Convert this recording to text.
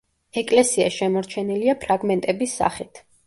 ეკლესია შემორჩენილია ფრაგმენტების სახით.